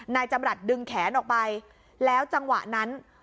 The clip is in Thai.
นายจำรัฐดึงแขนออกไปแล้วจังหวะนั้น